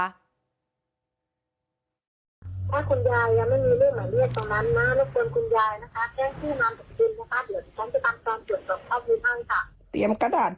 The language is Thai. หอมอยนามสกุลรุงรัง